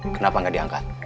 kenapa gak diangkat